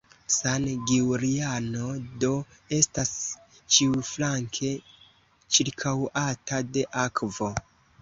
San Giuliano do estas ĉiuflanke ĉirkaŭata de akvo.